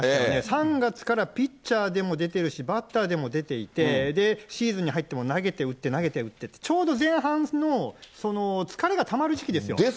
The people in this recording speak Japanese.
３月からピッチャーでも出てるし、バッターでも出ていて、シーズンに入っても投げて打って、投げて打って、ちょうど前半の疲れがたまる時期ですよ。